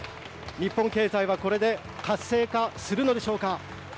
日本経済はこれで活性化するのでしょうか。